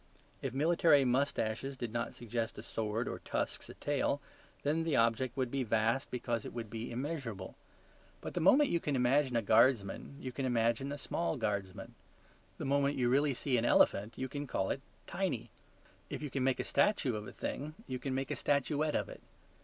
If military moustaches did not suggest a sword or tusks a tail, then the object would be vast because it would be immeasurable. But the moment you can imagine a guardsman you can imagine a small guardsman. The moment you really see an elephant you can call it "Tiny." If you can make a statue of a thing you can make a statuette of it.